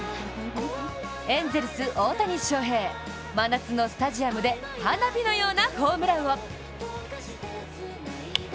エンゼルス・大谷翔平、真夏のスタジアムで花火のようなホームランを！